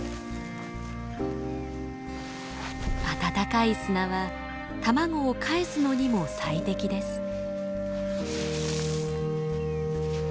暖かい砂は卵をかえすのにも最適です。